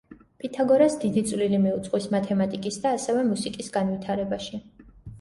პითაგორას დიდი წვლილი მიუძღვის მათემატიკის და ასევე მუსიკის განვითარებაში.